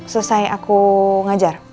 selesai aku ngajar